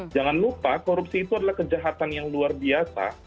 jangan lupa korupsi itu adalah kejahatan yang luar biasa